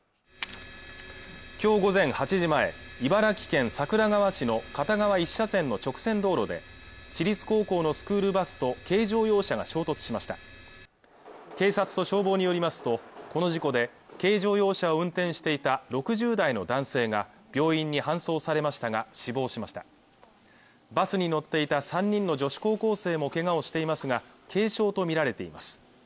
今日午前８時前茨城県桜川市の片側１車線の直線道路で私立高校のスクールバスと軽乗用車が衝突しました警察と消防によりますとこの事故で軽乗用車を運転していた６０代の男性が病院に搬送されましたが死亡しましたバスに乗っていた３人の女子高校生も怪我をしていますが軽傷とみられています